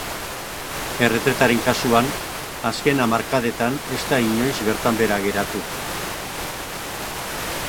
Erretretaren kasuan, azken hamarkadetan ez da inoiz bertan behera geratu.